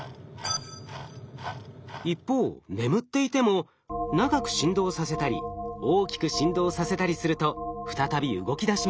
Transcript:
一方眠っていても長く振動させたり大きく振動させたりすると再び動きだします。